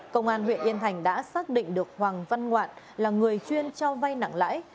công an huyện yên thành đã xác định được hoàng văn ngoạn là người chuyên cho vay nặng lãi